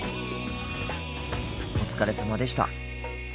お疲れさまでした。